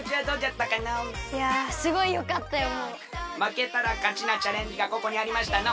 まけたらかちなチャレンジがここにありましたの。